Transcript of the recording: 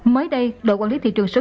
mới đây đội quản lý thị trường xã hội